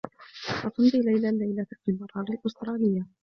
ستمضي ليلى اللّيلة في البراري الأستراليّة.